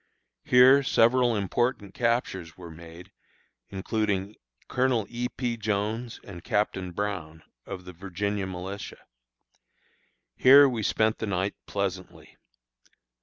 Here several important captures were made, including Colonel E. P. Jones and Captain Brown, of the Virginia militia. Here we spent the night pleasantly.